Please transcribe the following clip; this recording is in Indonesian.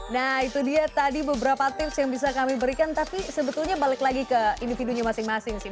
nah itu dia tadi beberapa tips yang bisa kami berikan tapi sebetulnya balik lagi ke individunya masing masing sih